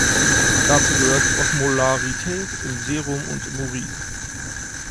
Dazu gehört die Osmolarität im Serum und im Urin.